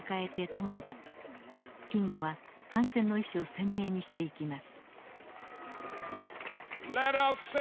キングは反戦の意思を鮮明にしていきます。